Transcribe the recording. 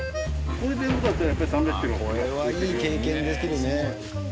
これはいい経験できるね。